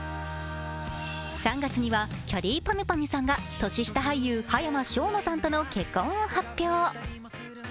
３月にやきゃりーぱみゅぱみゅさんが年下俳優、葉山奨之さんとの結婚を発表。